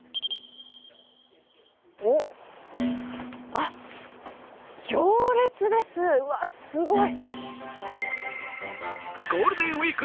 おっ、あっ行列です、うわ、すごい。